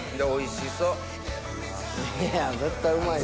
おいしそう。